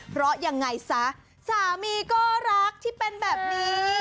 เพราะยังไงซะสามีก็รักที่เป็นแบบนี้